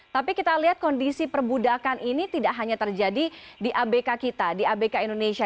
tapi kita lihat kondisi perbudakan ini tidak hanya terjadi di abk kita di abk indonesia